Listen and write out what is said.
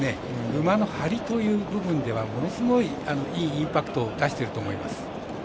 馬のハリという部分ではものすごい、いいインパクトを出していると思います。